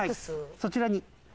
そちらに。